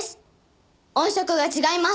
音色が違います。